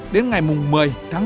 đến ngày một mươi tháng năm